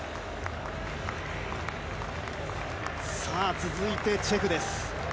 続いてチェフです。